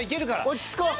落ち着こう。